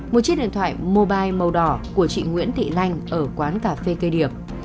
một chiếc điện thoại mobile màu đỏ của chị nguyễn thị lanh ở quán cà phê cây điệp